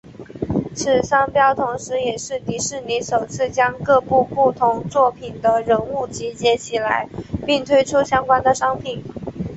此商标同时也是迪士尼首次将各部不同作品的人物集结起来并推出相关的商品。